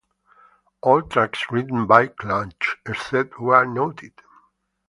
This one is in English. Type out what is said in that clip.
All tracks written by Clutch, except where noted.